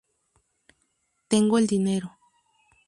Tengo el dinero.